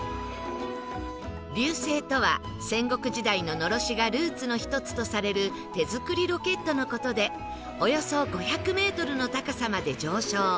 龍勢とは戦国時代の狼煙がルーツの一つとされる手作りロケットの事でおよそ５００メートルの高さまで上昇